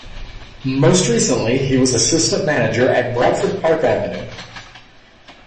Most recently, he was assistant manager at Bradford Park Avenue.